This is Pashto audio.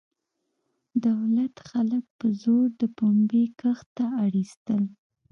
دولت خلک په زور د پنبې کښت ته اړ ایستل.